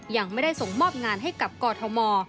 ยังไม่ได้ส่งมอบงานให้กับกอทม